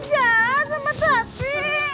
sama jahat sama tati